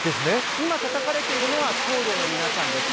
今たたかれているのは僧侶の皆さんです。